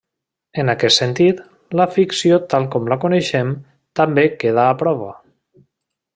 En aquest sentit, la ficció tal com la coneixem, també queda a prova.